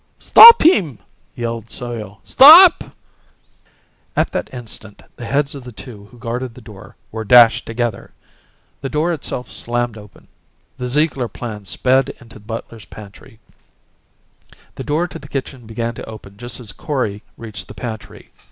"Stop him!" yelled Soyo. "Stop " At that instant the heads of the two who guarded the door were dashed together. The door itself slammed open. The Ziegler plans sped into the butler's pantry. The door to the kitchen began to open just as Kori reached the pantry.